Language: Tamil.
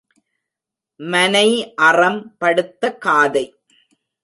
மனை அறம் படுத்த காதை.